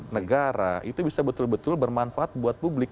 negara itu bisa betul betul bermanfaat buat publik